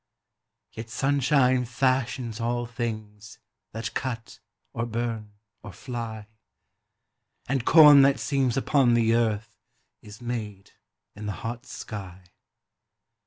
Yet sunshine fashions all things That cut or burn or fly; And corn that seems upon the earth Is made in the hot sky.